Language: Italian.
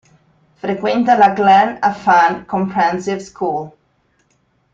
Frequenta la Glan Afan Comprehensive School.